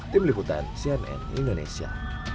tim liputan cnn indonesia